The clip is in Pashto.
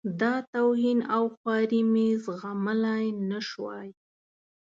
دا توهین او خواري مې زغملای نه شوای.